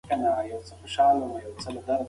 زما ورور په خپل پټي کې د سیاه دانې او نعناع کښت کړی.